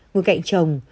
người cạnh chồng